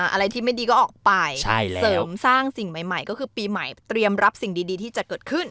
อะไรที่ไม่ดีก็ออกไปเสริมสร้างสิ่งใหม่ก็คือปีใหม่เตรียมรับสิ่งดีที่จะเกิดขึ้น